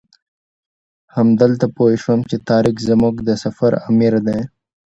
همدلته پوی شوم چې طارق زموږ د سفر امیر دی.